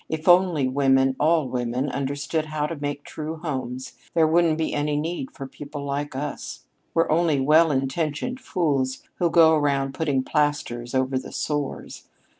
If only women all women understood how to make true homes, there wouldn't be any need for people like us. We're only well intentioned fools who go around putting plasters over the sores.